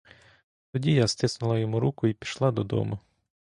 Тоді я стиснула йому руку й пішла додому.